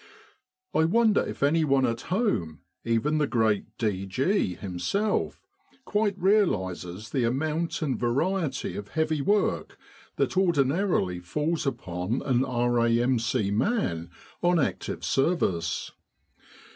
I wonder if anyone at home, even the great D. G. himself, quite realises the amount and variety of heavy work that ordinarily falls upon an R.A.M.C. man on Active Service.